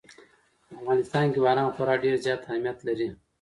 په افغانستان کې باران خورا ډېر زیات اهمیت لري.